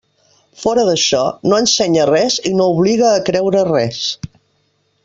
Fora d'això, no ensenya res i no obliga a creure res.